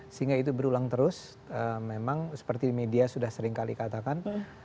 sehingga itu berulang terus memang seperti media sudah seringkali katakan